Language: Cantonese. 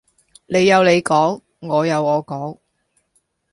你有你講，我有我講